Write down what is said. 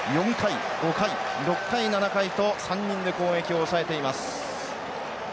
４回５回６回７回と３人で攻撃を抑えています。